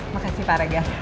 makasih pak regar